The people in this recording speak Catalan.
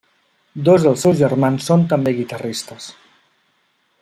Dos dels seus germans són també guitarristes.